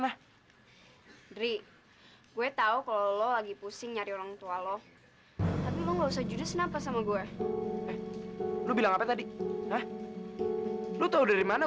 nah kita kalau kok kok makan gimana